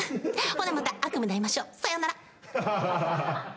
ほなまた悪夢で会いましょう。さようなら。